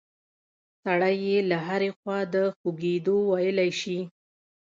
سړی یې له هرې خوا د خوږېدو ویلی شي.